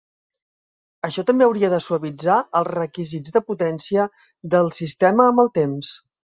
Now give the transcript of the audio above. Això també hauria de suavitzar els requisits de potència del sistema amb el temps.